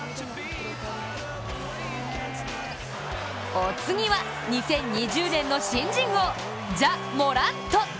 お次は２０２０年の新人王、ジャ・モラント。